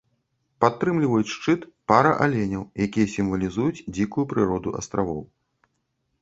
Падтрымліваюць шчыт пара аленяў, якія сімвалізуюць дзікую прыроду астравоў.